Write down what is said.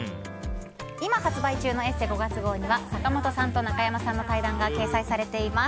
今、発売中の「ＥＳＳＥ」５月号には坂本さんと中山さんの対談が掲載されています。